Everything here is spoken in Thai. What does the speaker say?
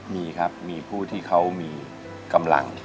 มีครับมีผู้ที่เขามีกำลัง